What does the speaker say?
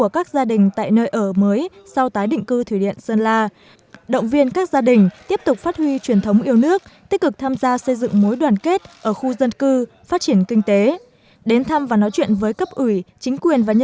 các bạn hãy đăng ký kênh để ủng hộ kênh của chúng mình nhé